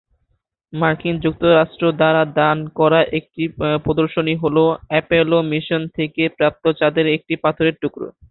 মার্কিন যুক্তরাষ্ট্র দ্বারা দান করা একটি প্রদর্শনী হলো অ্যাপোলো মিশন থেকে প্রাপ্ত চাঁদের একটি পাথরের টুকরো।